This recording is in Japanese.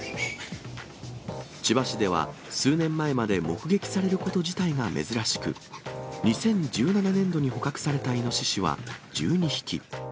千葉市では、数年前まで、目撃されること自体が珍しく、２０１７年度に捕獲されたイノシシは１２匹。